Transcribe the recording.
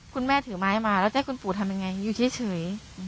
คุณแม่ถือไม้มาแล้วจะให้คุณปู่ทำยังไงอยู่เฉย